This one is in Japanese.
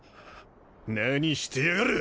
何してやがる。